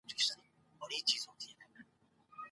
څنګه کولای سو د خلګو سایبري امنیت خوندي وساتو؟